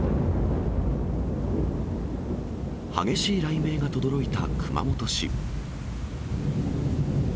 激しい雷鳴がとどろいた熊本市。